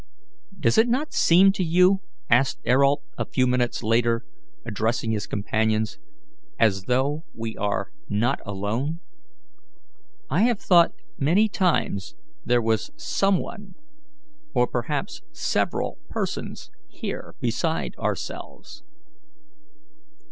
"Does it not seem to you," asked Ayrault, a few minutes later, addressing his companions, "as though we were not alone? I have thought many times there was some one or perhaps several persons here besides ourselves."